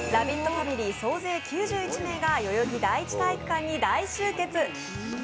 ファミリー総勢９１人が代々木第一体育館に大集結。